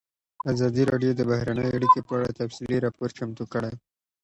ازادي راډیو د بهرنۍ اړیکې په اړه تفصیلي راپور چمتو کړی.